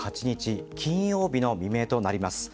金曜日の未明となります。